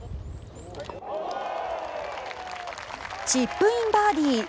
チップインバーディー！